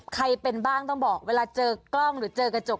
ใครเป็นบ้างต้องบอกเวลาเจอกล้องหรือเจอกระจก